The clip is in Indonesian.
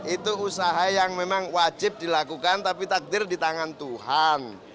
itu usaha yang memang wajib dilakukan tapi takdir di tangan tuhan